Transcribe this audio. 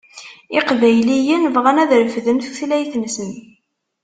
Iqbayliyen bɣan ad refden tutlayt-nsen.